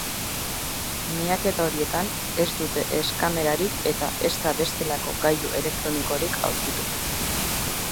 Miaketa horietan ez dute ez kamerarik eta ezta bestelako gailu elektronikorik aurkitu.